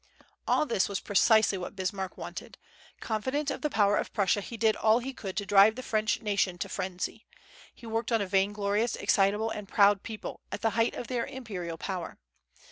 All this was precisely what Bismarck wanted. Confident of the power of Prussia, he did all he could to drive the French nation to frenzy. He worked on a vainglorious, excitable, and proud people, at the height of their imperial power.